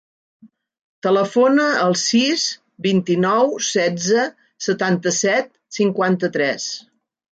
Telefona al sis, vint-i-nou, setze, setanta-set, cinquanta-tres.